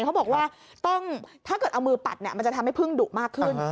เขาบอกว่าต้องถ้าเกิดเอามือปัดเนี่ยมันจะทำให้พึ่งดุมากขึ้น